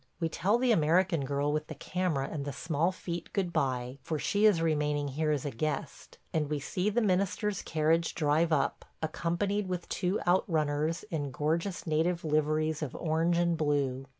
We tell the American girl with the camera and the small feet good bye, for she is remaining here as a guest, and we see the minister's carriage drive up, accompanied with two out runners in gorgeous native liveries of orange and blue.